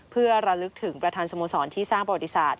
เพื่อระลึกถึงประธานสโมสรที่สร้างบริษัท